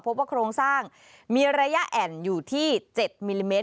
พบว่าโครงสร้างมีระยะแอ่นอยู่ที่๗มิลลิเมตร